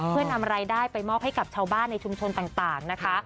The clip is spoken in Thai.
เพื่อนำรายได้ไปมอบให้กับชาวบ้านในชุมชนต่างนะคะ